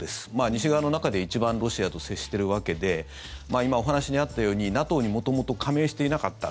西側の中で一番ロシアと接してるわけで今、お話にあったようにＮＡＴＯに元々、加盟していなかった。